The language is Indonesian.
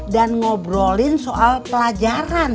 dan ngobrolin soal pelajaran